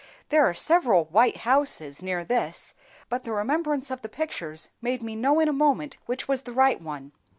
"There are several white houses near this, but the remembrance of the pictures made me know in a moment which was the right one."